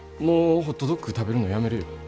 もうホットドッグ食べるのやめるよ。